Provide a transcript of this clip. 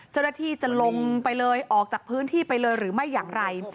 เจ้าหน้าที่จะลงไปเลยออกจากพื้นที่ไปเลยหรือไม่อย่างไร